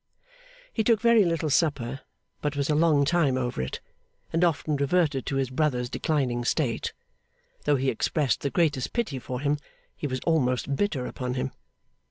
He took very little supper, but was a long time over it, and often reverted to his brother's declining state. Though he expressed the greatest pity for him, he was almost bitter upon him.